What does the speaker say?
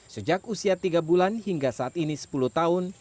sejak usia tiga bulan hingga saat ini sepuluh tahun